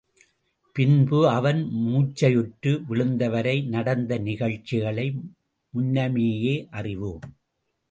பின்பு அவன் மூர்ச்சையுற்று விழுந்ததுவரை நடந்த நிகழ்ச்சிகளை முன்னமேயே அறிவோம்.